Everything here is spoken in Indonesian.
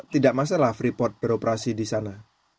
tidak masalah freeport beroperasi disana